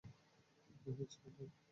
কী হয়েছে, আব্দুল?